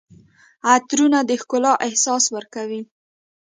عطرونه د ښکلا احساس ورکوي.